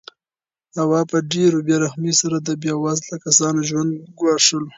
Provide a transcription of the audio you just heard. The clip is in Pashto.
هوا په ډېرې بې رحمۍ سره د بې وزله کسانو ژوند ګواښلو.